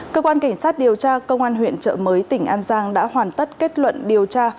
cơ quan cảnh sát điều tra công an huyện trợ mới tỉnh an giang đã hoàn tất kết luận điều tra